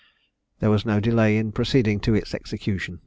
There was no delay in proceeding to its execution.